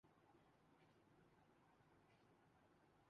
زمباب کے خلاف ہرار میں کھیل